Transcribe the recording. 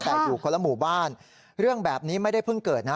แต่อยู่คนละหมู่บ้านเรื่องแบบนี้ไม่ได้เพิ่งเกิดนะ